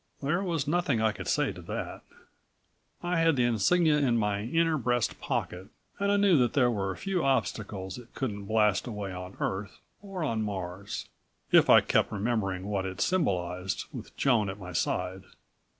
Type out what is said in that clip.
There was nothing I could say to that. I had the insignia in my inner breast pocket, and I knew that there were few obstacles it couldn't blast away on Earth or on Mars, if I kept remembering what it symbolized with Joan at my side.